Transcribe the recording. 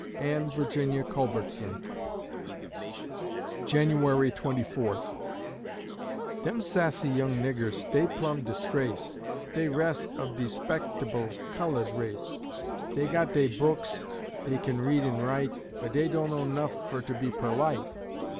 ANNE VIRGINIA CULBERTSON January Twenty Fourth Dem sassy young niggers, dey plum' disgrace De res' uv de' 'spectable cullud race. Dey got dey books, dey kin read an' write, But dey dunno 'nough fer to be perlite.